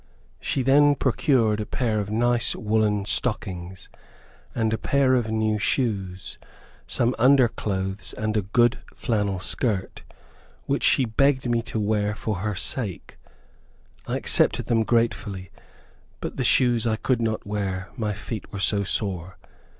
She then procured a pair of nice woollen stockings, and a pair of new shoes, some under clothes, and a good flannel skirt, which she begged me to wear for her sake. I accepted them gratefully, but the shoes I could not wear, my feet were so sore.